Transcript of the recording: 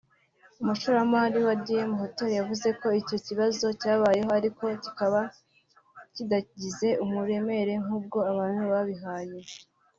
umushoramari wa Dayenu Hotel yavuze ko icyo kibazo cyabayeho ariko kikaba kitagize uburemere nk’ubwo abantu babihaye